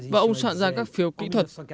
và ông soạn ra các phiếu kỹ thuật